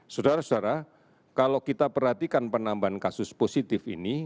saudara saudara kalau kita perhatikan penambahan kasus positif ini